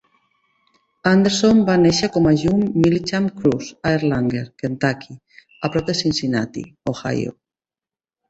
Anderson va néixer com a June Millichamp Kruse a Erlanger, Kentucky, a prop de Cincinnati, Ohio.